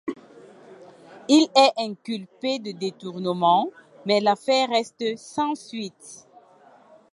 Il est inculpé de détournement, mais l'affaire reste sans suite.